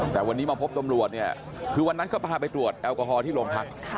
แต่วันนี้มาพบตำรวจเนี่ยคือวันนั้นก็พาไปตรวจแอลกอฮอล์ที่โรงพัก